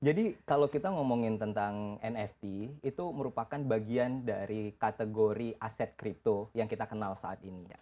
jadi kalau kita ngomongin tentang nft itu merupakan bagian dari kategori aset crypto yang kita kenal saat ini